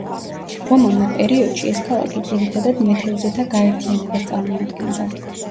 რომანულ პერიოდში, ეს ქალაქი ძირითადად მეთევზეთა გაერთიანებას წარმოადგენდა.